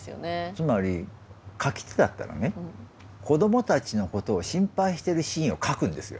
つまり書き手だったらね子どもたちのことを心配してるシーンを書くんですよ。